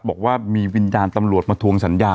บอกว่ามีวิญญาณตำรวจมาทวงสัญญา